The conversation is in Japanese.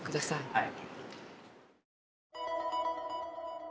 はい。